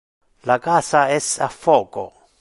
Le casa es a foco.